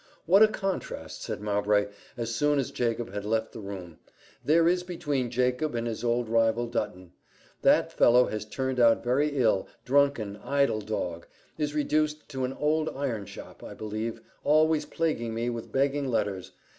"What a contrast," said Mowbray, as soon as Jacob had left the room, "there is between Jacob and his old rival, Dutton! That fellow has turned out very ill drunken, idle dog is reduced to an old iron shop, I believe always plaguing me with begging letters.